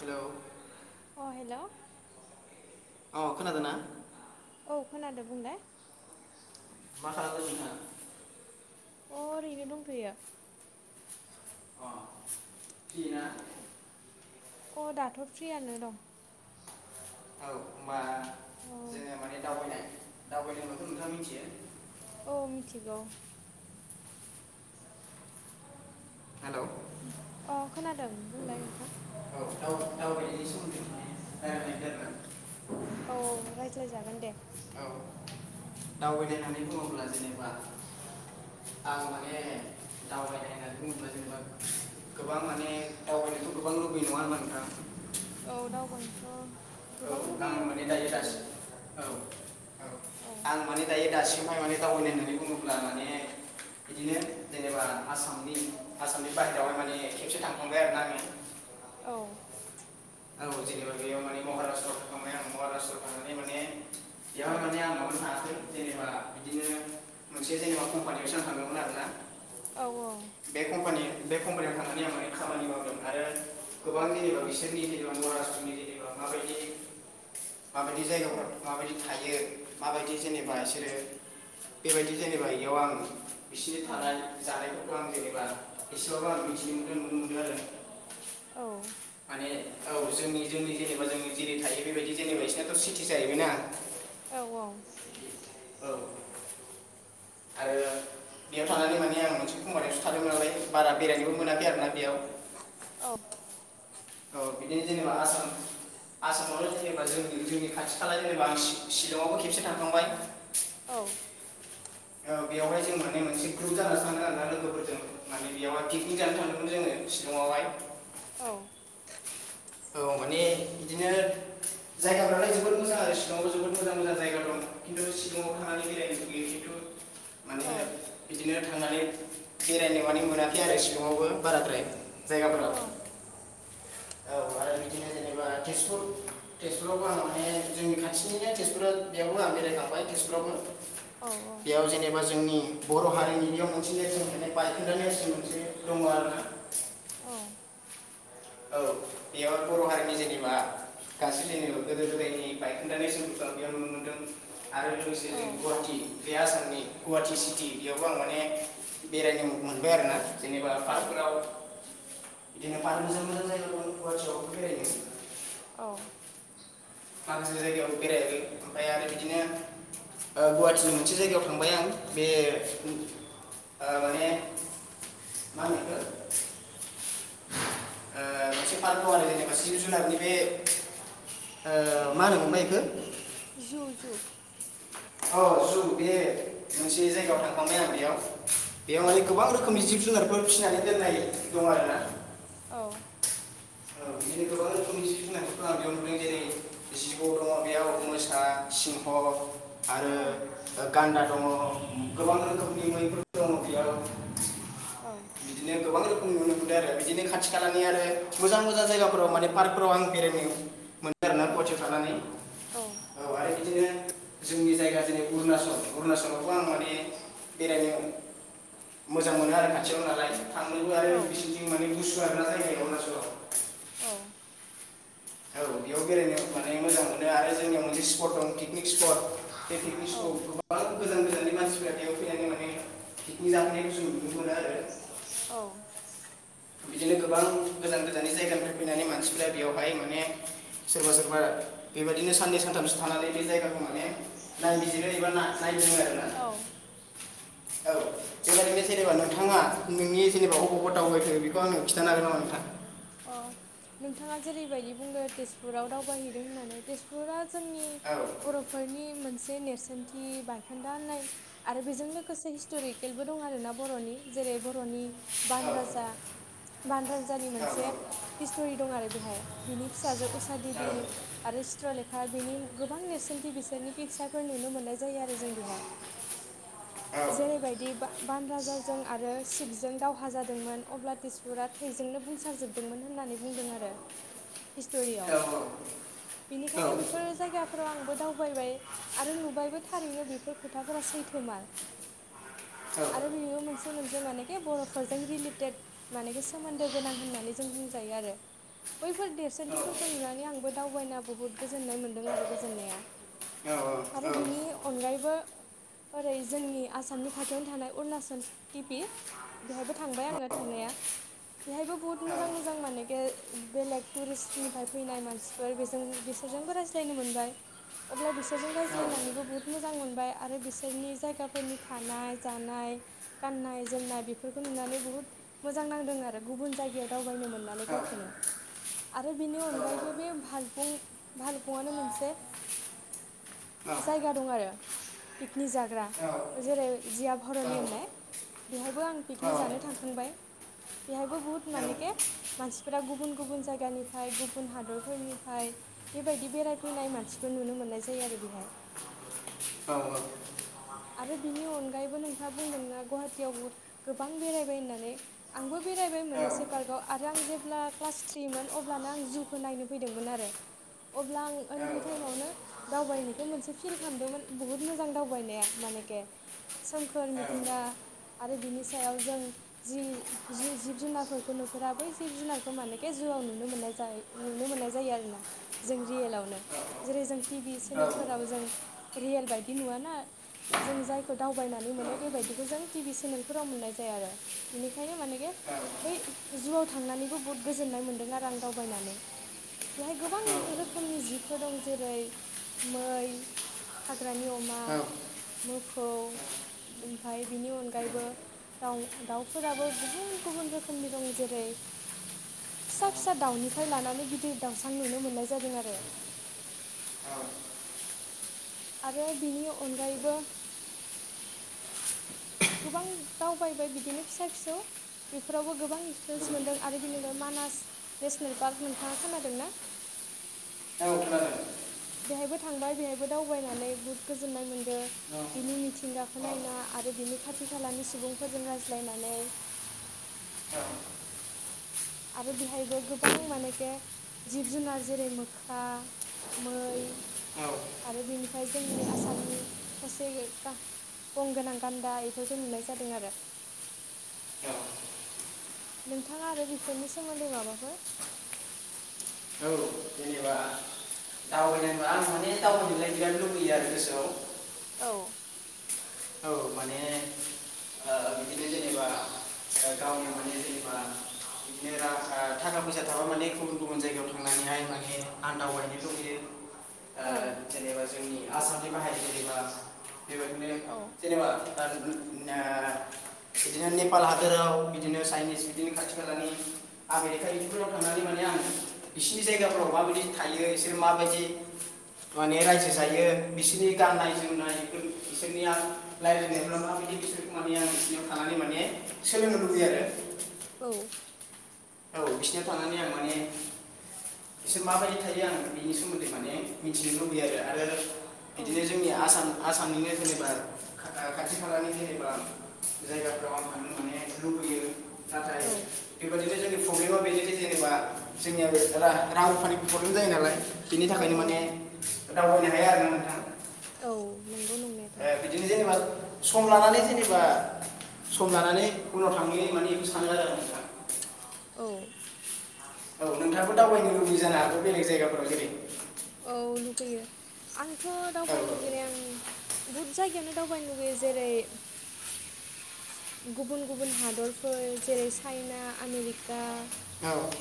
Hello अ hello अ खोनादोंना? औ खोनादो बुंलाय। मा खालामदों नोंथां? अ ओरैनो दंथ'यो। अ फ्रि ना अ दाथ' फ्रियानो दं। औ होमबा औ जोङो माने दावबायनाय दावबायनायखौथ' नोंथाङा मिनथियो? औ मिथिगौ। हेलौ अ खोनादों बुंलाय नोंथां दावबाय दावबायनायनि सोमोन्दै माने [unintelligible] औ रायज्लायजागोन दे औ दावबायनाय होननानै बुङोब्ला जेनेबा आं माने औ दावबायनाय [unintelligible] बुङोब्ला जेनेबा गोबां माने दावबायनोथ' गोबां लुबैयो नङा होमबा नोंथां औ दावबायनोथ' औ गोबां आं लुगैयो माने दायो अ लुगैनाया दासिम औ औ आं माने दायो दासिमहाय माने दावबायनाय होननानै बुङोब्ला माने बिदिनो जेनेबा आसामनि आसामनि बाहेरायावहाय माने खेबसे थांखांबाय आरोना आङो औ औ जेनेबा बेयाव माने महाराषट्रआव थांखांबाय आं महाराषट्रआव थांनानै माने औ बेयाव माने आं हारसिङै थाङाखै जेनेबा बिदिनो मोनसे जेनेबा कम्पानियावसो आं थांदोंमोन आरोना औ बे कम्पानि बे कम्पानियाव थांनानै आं माने खामानि मावदों आरो गोबां जेनेबा बिसोरनि जेनबा महाराषट्रआव जेनेबा माबायदि माबायदि औ जायगाफोराव माबायदि थायो माबायदि जेनेबा इसोरो बेबायदि जेनेबा इयाव आं बिसिनि औ थानाय जानायफोरखौ आं जेनेबा एसेबाबो आं मिनथिनो मोनदों नुनो मोनदों आरो औ माने औ जोंनि जोंनि जेनेबा जों जेरै थायो बेबायदि जेनेबा बिसोरनाथ' सिथि जाहैबाय ना औ औ औ आरो बेयाव थानानै माने आं मोनसे खम्फानियावसो थादोंमोन नालाय बारा बेरायनोबो मोनाखै आरोना बेयाव औ औ बिदिनो जेनेबा आसाम आसामावलाय जेनेबा जोंनि जोंनि खाथि खाला जेनेबा आं शिलंआवबो खेबसे थांखांबाय औ औ बेवहाय जों माने मोनसे ग्रुप जानासो थांदों आरोना लोगोफोरजों माने बेयावहाय पिकनिक जानो थांदोंमोन जोङो शिलंआवहाय औ औ माने बिदिनो जायगाफ्रालाय जोबोद मोजां आरो शिलङाव जोबोद मोजां मोजां जायगा दं खिन्थु शिलङाव थांनानै बेरायनो लुगैयो खिन्थु माने बिदिनो थांनानै बेरायनो मानो मोनाखै आरो शिलङावबो बाराद्राय जायगाफोराव औ आरो बिदिनो जेनेबा तेजपुर तेजपुरावबो आं माने जोंनि खाथिनिनो तेजपुरा बेयावबो आं बेरायखांबाय शिलं बेयाव औ जेनेबा जोंनि बर हारिनि बेयाव मोनसे नेरसोन मोननाय बायखोनदाय नेरसोन मोनसे दङ आरोना औ औ बेयाव बर हारिनि जेनेबा गासै जों नुफेरै गोदोनि बायखोनदा नेरसोनफोर बेयाव नुनो मोन्दों आरो लोगोसे जों औ गुवाहाटि बे आसामनि गुवाहाटि सिटि बेयावबो आं माने बेरायनो मोनबाय आरोना जेनेबा औ पार्थफोराव बिदिनो गोबां जायगा दं बेरायनो औ माखासे जायगायाव बेरायहैदों ओमफाय आरो बिदिनो ओ गुवाहाटिनि मोनसे जायगायाव थांबाय आं बे ओ माने मा होनो बेखो औ ओ मोनसे पार्का दङ आरो जेनेबा जिब जुनारनि बे ओ मा होनोबा इखौ जु जु औ जु बे मोनसे औ जायगायाव थांखांबाय आं बेयाव बेयाव माने औ गोबां रोखोमनि जिब जुनार फोर फिसिनानै दोननाय दं आरोना औ बिदिनो गोबां रोखोमनि जिब जुनारफोरखौ आं बेयाव नुदों जेरै जिबौ दङ बेयाव मोसा सिंह आरो औ गान्दा दङ गोबां रोखोमनि मैफोर दङ बेयाव औ बिदिनो गोबां रोखोमनि नुनो मोनदों आरो बिदिनो खाथि खालानि आरो मोजां मोजां जायगाफोराव माने पार्कफोराव आं बेरायनो आरोना औ गवाहाटि खालामानानै औ औ आरो बिदिनो जोंनि जायगा जेरै अरुणचल अरुणचलावबो आं माने बेरायनो मोजां मोनो आरो खाथियाव नालाय थांनोबो औ आरो बिसोरनि माने गुसु आरोना जायायो अरुणाचलाव औ औ बेयाव बेरायनो माने मोजां मोनो आरो जोंनियाव मोनसे स्पट दं पिकनिक स्पट बे पिकनिक सक'आव गोबां गोजान गोजाननि मानसिफ्रा बेयाव फैनानै माने पिकनिक जाफैनायखौ जों नुनो मोनो आरो औ। बिदिनो गोबां गोजान गोजान जायगानिफ्राय फैनानै मानसिफ्रा बेयावहाय माने। सोरबा सोरबा बेबायदिनो साननै सानथामसो थानानै बे जायगाखौ माने नायबिजिरो एबा ना नायदिङो। आरोना औ। औ। बेबायारैनो जेनेबा नोंथाङा नोंनि जेनबा अबावबाव दावबायथो बेखौ आंनो खिन्थानो हागोन नामा नोंथां? अ नोंथाङा जेरैबायदि बुंदों तेजपुराव दावबायहैदों होननानै तेजपुरा जोंनि औ बर'फोरनि मोनसे नेरसोन नथि बायखोन्दा होननाय आरो बेजों लोगोसे हिस्ट'रिकेलबो दं आर ना बर'नि जेरै बर'नि राजा औ बान राजा बान राजानि औ मोनसे स्ट'रि दं आरो बेहाय बिनि फिसाजो उश औ देबि आरो चत्रलेखा बिनि गोबां औ [unintelligible] जेरैबायदि बान राजाजों आरो शिबजों दावहा जादों मोन अब्ला तसपुरा थैजोंनो बुंसारजोबदोंमोन होननानै बुंदों आरो हिस्ट'रियाव बेनिखायनो बेफोर जायगाफोराव आंबो दावबाय आरो नुबायबो थारैनो बेफोर खोथाफोरा सैथोमार आरो बे मोनसे मोनसे मानेखि बर'फोरजों रिलेटेड मानेखि सोमोन्दो गोनां होननानै जों बुंजायो आरो बैफोर देरसोनथिफोरखौ नुनानै आंबो दावबायना बुहुत गोजोननाय मोन्दों आरो गोजोननाया आरो बिनि अनगायैबो ओरै जोंनि आसामनि खाथियावनो थानाय अरुणाचल टिपि बेहायबो थांबाय आङो थांनाया बेहायबो बहुद मोजां मोजां मानेके बेलेग टुरिस्टनिफ्राय फैनाय मानसिफोर बेजों बिसोरजोंबो रायज्लायनो मोन बाय अब्ला बिसोरजों रायज्लायनानैबो बहुत मोजां मोनबाय आरो बिसोरनि जायगाफोरनि थानाय जानाय गान्नाय जोमनाय बेफोरखौ नुनानै बहुद मोजां नांदों आरो गुब जायगायाव दावबायनो मोननानै गावखौनो आरो बिनि अनगायैबो भालफुं भालफुंआनो मोनसे जायगा दं आरो पिकनिक जाग्रा जेरै जिया भरलि होननाय बेहायबो आं पिकनिक जानो थांखांबाय बेहायबो बुहुत माने मानसिफोरा गुबुन गुबुन जायगानिफ्राय गुबुन हादरफोरनिफ्राय बेबायदि बेरायैनाय फ्राय मानसिफोर नुनो मोननाय जायो आरो बेहाय। औ औ। आरो बिनि अनगायैबो नोंथाङा बुंदोंना गुवाहाटियावबो गोबां बेरायबाय होननानै आंबो। बेरायबाय मोननैस पार्कआव आरो आं जेब्ला क्लास थ्रिमोन अब्लानो आं जुखौ नायनो फैदोंमोन आरो। अब्ला आं उन्दै टाइमावनो दावबायनायखौ मोनसे फिल खालामदोंमोन बहुत मोजां दावबायनाया। मानेखे सोमखोर मिथिंगा। आरो बिनि सायाव जों जि जु-जिबजुनारफोरखौ नुफेरा बै जिब जुनारखौ मानेखे जुआव नुनो मोननाय जाय नुनो मोननाय जायो आरोना जों रियेलावनो जेरै जों टि भि सेनेलफोराव जों रियेल बायदि नुव ना जों जायखौ दावबायनानै मोनो बेबायदिखौ जों टि भि सेनेलफोराव मोननाय जाया आरो बेनिखायनो मानेके बै जुआव थांनानैबो बहुद गोजोननाय मोन्दों आरो आं दावबायनानै। बेहाय गोबां रोखोमनि जिबफोर दं जेरै मै हाग ग्रानि अमा मोफौ ओमफाय बिनि अनगायैबो दाउ दाउफोराबो गुबुन गुबुन रोखोमनि दं जेरै [inaudible] फिसा फिसा दाउनिफ्राय लानानै गिदिर दाउसान नुनो मोननाय जादों आरो। औ। आरो बिनि अनगायैबो गोबां दावबायबाय बिदिनो फिसा फिसौ। बेफोरावबो गोबां औ इक्सपिरियेन्स औ मोनदों आरो बेनि अनगायै मानास नेसनेल पार्क नोंथाङा खोनादों ना? औ खोनादों। बेहायबो थांबाय बेहायबो दावबायनानै बुहुद गोजोननाय मोन्दों औ बिनि मिथिंगाखौ नायना आरो बिनि खाथि खालानि सुबुंफोरजों रायज्लायनानै। औ। आरो बेहायबो गोबां मानेखे जिब जुनार जेरै मोख्रा मै औ आरो बेनिफ्राय जोंनि आसामनि थसे गा गंगोनां गान्दा इफोरखौ नुनाय जादों आरो। औ। नोंथाङा आरो बेफोरनि सोमोन्दै माबाफोर? औ जेनेबा। दावबायनाय आं माने दावबायनोलाय बिराद लुबैयो आरो गोसोआव। औ। औ माने ओ बिदिनो ओ जेनेबा गावनि माने जेनेबा बिदिनो थाखा फैसा थाबा माने गुबुन गुबुन जायगायाव थांनानैहाय माने आं दावबायहैनो लुबैयो। ओ औ जेनेबा जोंनि आसामनि बाहेर जेनेबा बेबायदिनो औ। [unintelligible] बिदिनो नेपाल हादोराव बिदिनो चाइनिस बिदिनो खाथि खालानि आमेरिका इफोरफोराव थांनानै माने आं बिसोरनि जायगाफ्राव माबायदि थायो बिसोरो माबायदि माने रायजो जायो बिसिनि गाननाय जोमनायफोर बिसोरनिया रायलायनायफोरा मा बायदि बिसोर माने आं बिसिनियाव थानानै माने सोलोंनो लुबैयो आरो। औ। औ बिसिनाव थानानै आं माने। बिसोर माबायदि थायो आं बेनि सोमोन्दै माने मिथिनो लुबैयो आरो आरो बिदिनो औ जोंनि आसाम आसामनिनो जेनेबा खाथि खालानि जेनेबा जायगाफ्राव आं थांनो माने लुबैयो नाथाय औ बेबादि बेनो जोंनि प्रब्लेमा बेनोदि जेनेबा जोंनिया रां रुफानि प्रब्लेम जायो नालाय। बिनि थाखायनो औ माने दावबायनो हाया आरो ना नोंथां। औ नों ए बिदिनो जेनेबा सम लानानै जेनेबा। सम लानानै उनाव थांनि माने एखौ सानो आरोना आं दा औ। औ नोंथांङाबो दावबायनो लुबैयो जानो हागौ बेलेग जायगाफोराव जेरै औ लुगैयो आंथ' औ दावबायनो लुगैनाया आं बहुद जायगायावनो दावबायनो लुगैयो जेरै गुबुन गुबुन हादरफोर जेरै चाइना आमेरिक दा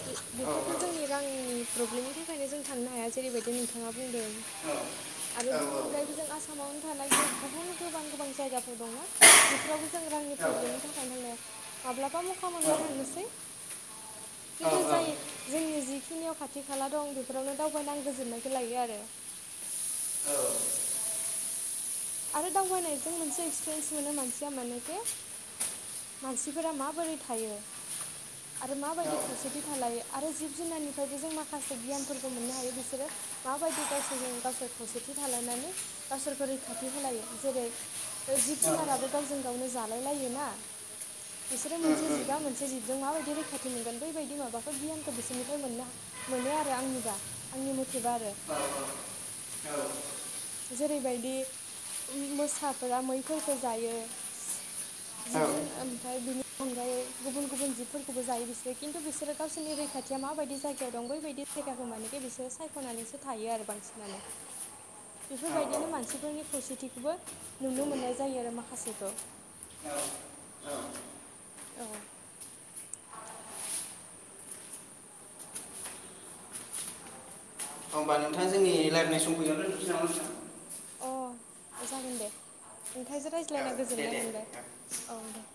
बे बेफोरथ' जोंनि रांनि प्रब्लेमनि थाख खायनो जों थांनो हाया जेरैबायदि नोंथाङा बुंदों आरो बिनि अनगायैबो जों आसामाव थानाय गोब गुबुन गोबां गोबां जायगफोर दं ना बेफोरावबो जों रांनि प्रब्लेमनि थाखाय थांनोहाया माब्लाबा मखा मोनबा थांनोसै। खिन्थु जाय जोंनि जिखिनियाव खाथि खाला दं बेफोरावनो दावबायनो आं गोजोननायखौ लायो आरो‌। आरो दावबायनायजों मोनसे एक्सपिरियेन्स मोनो मानसिया मानेखे मानसिफोरा माबोरै थायो आरो माबायदि खौसेथि थालायो आरो जिब जुनारनिफायबो जों माखासे गियानफोरखो मोननो हायो बिसोरो माबायदि गावसोरजों गावसोर खौसेथि थालायनानै गावसोरखौ रैखाथ थि होलायो जेरै जिब जुनाराबो गावजों गावनो जालाय लायो ना। बिसोरो मोनसे जिबा मोनसे जिब। जों माबायदि रैखाथि मोनगोन बैबायदि माबाफोर गियानखो बिसोरनिफ्राय मोननो मोनो आरो आंनिबा आंनिम थेबा आरो। औ औ औ। जेरैबायदि मोसाफोरा मैफोरखो जायो। जिब जुन ओमफ्राय बिनि अनगायै गुबुन गुबुन जिबफोरखोबो जायो बिसोरो खिन्थु बिसोरो गावसोरनिखाथिया माबाय जायगायाव दं बैबायदि जायगाखो मानेखि बिसोरो सायखनानैसो थायो आरो बांसिनानो। [inaudible] बेफोरबायदिनो मानसिफोरनिख खौसेथिखोबो नुनो मोननाय जायो आरो माखासेखो। औ। होमबा नोंथा जोंनि लायरायनाय समखौ इयावनो दोनथसै नामा नोंथां। [inaudible] अ जागोन दे नोंथांजो औ, रायज्लायना दे गोजोननाय दे, मोनबाय औ. औ दे।